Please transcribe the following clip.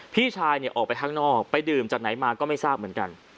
พี่ชายออกไปข้างนอกไปดื่มจากไหนมาก็ไม่ทราบเหมือนกัน